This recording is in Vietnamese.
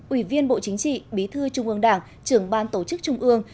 ủy viên bộ chính trị bí thư trung ương đảng trưởng ban tổ chức trung ương